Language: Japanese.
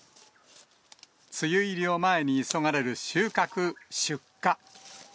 梅雨入りを前に急がれる収穫・出荷。